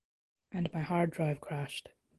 And my hard drive crashed.